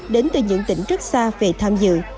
đến từ những tỉnh rất xa về tham dự